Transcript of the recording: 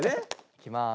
いきます。